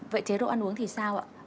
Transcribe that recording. vậy chế độ ăn uống thì sao ạ